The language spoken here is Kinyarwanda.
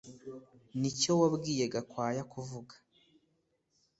Nibyo wabwiye Gakwaya kuvuga